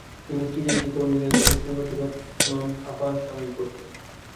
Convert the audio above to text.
তিনি Shri SD Cornelius এবং শ্রীমতি রত্নম আপাস্বামীর পুত্র।